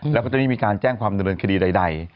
แล้วก็จะไม่มีการแจ้งความดำเนินคดีใด